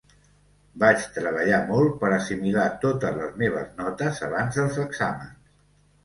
Vaig treballar molt per assimilar totes les meves notes abans dels exàmens.